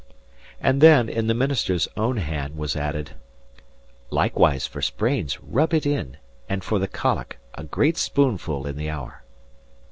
And then, in the minister's own hand, was added: "Likewise for sprains, rub it in; and for the cholic, a great spooneful in the hour."